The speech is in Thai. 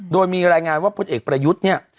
โดยมีรายงานว่าพลเอกประยุทธ์เนี่ย